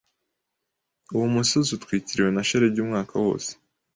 Uwo musozi utwikiriwe na shelegi umwaka wose.